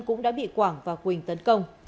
cũng đã bị quảng và quỳnh tấn công